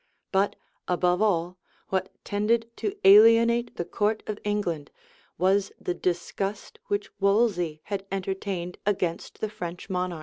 But, above all, what tended to alienate the court of England, was the disgust which Wolsey had entertained against the French monarch.